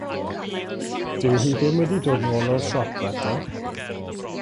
Dyw hi ddim wedi dod nôl o'r siop eto.